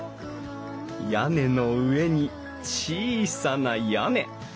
屋根の上に小さな屋根。